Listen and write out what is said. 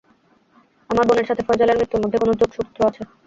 আমার বোনের সাথে ফয়জালের মৃত্যুর মধ্যে কোনো যোগসূত্র রয়েছে।